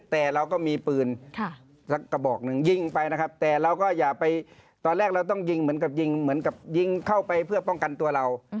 แต่เราก็มีปืนสักกระบอกหนึ่งยิงไปนะครับแต่เราก็อย่าไปตอนแรกเราต้องยิงเหมือนกับยิงเหมือนกับยิงเข้าไปเพื่อป้องกันตัวเรา